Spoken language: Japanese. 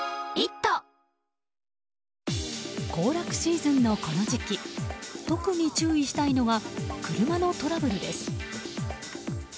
行楽シーズンのこの時期特に注意したいのは車のトラブルです。